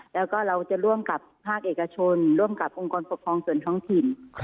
แล้วก็เราจะร่วมกับภาคเอกชนร่วมกับองค์กรปกครองส่วนท้องถิ่น